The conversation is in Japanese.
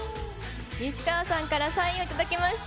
西川さんからサインを頂きました。